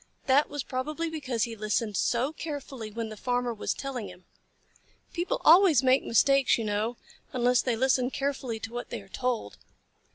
That was probably because he listened so carefully when the Farmer was telling him. People always make mistakes, you know, unless they listen carefully to what they are told.